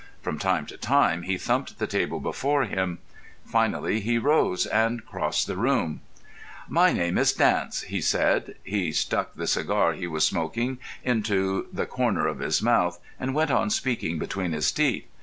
From time to time he thumped the table before him. Finally he rose and crossed the room. "My name is Dance," he said. He stuck the cigar he was smoking into the corner of his mouth and went on speaking between his teeth.